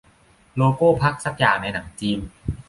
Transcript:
โลโก้พรรคสักอย่างในหนังจีน